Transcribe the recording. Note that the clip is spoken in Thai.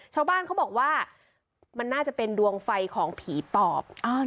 ชาวบ้านเขาบอกว่ามันน่าจะเป็นดวงไฟของผีปอบ